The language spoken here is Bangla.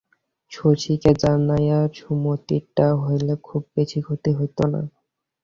শশীকে জানাইয়া সুমতিটা হইলে খুব বেশি ক্ষতি হইত না।